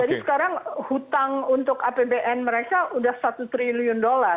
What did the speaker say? jadi sekarang hutang untuk apbn mereka sudah satu triliun dolar